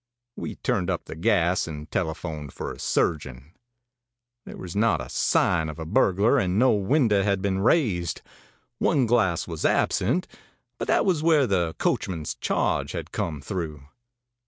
We turned up the gas, and telephoned for a surgeon. There was not a sign of a burglar, and no window had been raised. One glass was absent, but that was where the coachman's charge had come through.